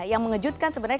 yang mengejutkan sebenarnya